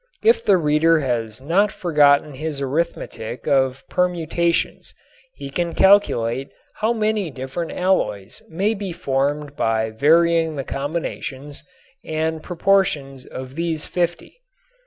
If the reader has not forgotten his arithmetic of permutations he can calculate how many different alloys may be formed by varying the combinations and proportions of these fifty.